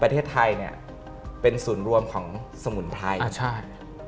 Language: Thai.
ประเทศไทยเป็นศูนย์รวมของสมุนไพร